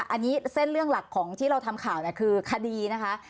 อันนี้เส้นเรื่องหลักของที่เราทำข่าวคือคดีนะคะ